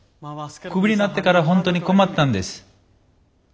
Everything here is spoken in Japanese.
クビになってから本当に困ったんです。